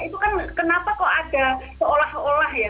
itu kan kenapa kok ada seolah olah ya